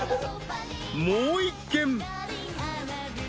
［もう一軒］